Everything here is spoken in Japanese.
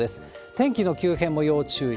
天気の急変も要注意。